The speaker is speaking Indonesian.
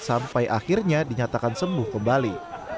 sampai akhirnya dinyatakan sembuh kembali